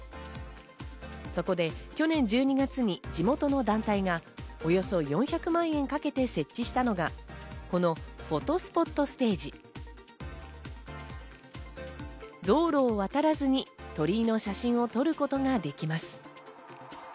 そこで去年１２月に地元の団体がおよそ４００万円かけて設置したのがこのフォトスポットステージ、道路を渡らずに鳥居の写真を撮ることができます。